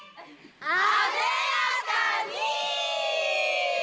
艶やかに！